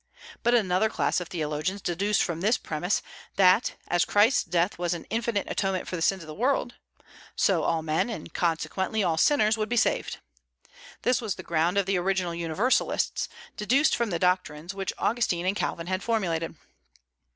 But another class of theologians deduced from this premise, that, as Christ's death was an infinite atonement for the sins of the world, so all men, and consequently all sinners, would be saved. This was the ground of the original Universalists, deduced from the doctrines which Augustine and Calvin had formulated.